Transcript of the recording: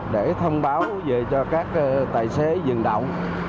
để thông báo về cho các tài xế dừng đậu